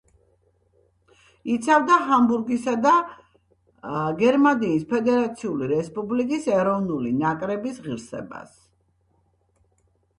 იცავდა „ჰამბურგისა“ და გფრ-ს ეროვნული ნაკრების ღირსებას.